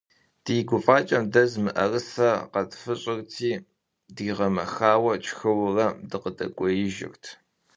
Ди гуфӏакӏэм дэз мыӏэрысэ къэтфыщӏырти, дигъэмэхауэ тшхыуэрэ, дыкъыдэкӏуеижырт.